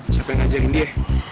siapa yang ngajarin dia